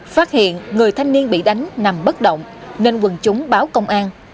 phát hiện người thanh niên bị đánh nằm bất động nên quần chúng báo công an